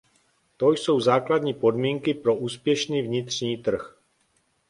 To jsou základní podmínky pro úspěšný vnitřní trh.